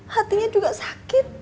hatinya juga sakit